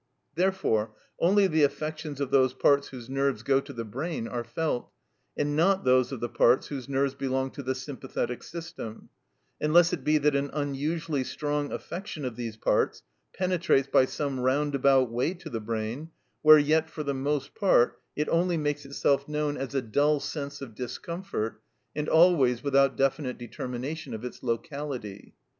Therefore, only the affections of those parts whose nerves go to the brain are felt, and not those of the parts whose nerves belong to the sympathetic system, unless it be that an unusually strong affection of these parts penetrates by some roundabout way to the brain, where yet for the most part it only makes itself known as a dull sense of discomfort, and always without definite determination of its locality.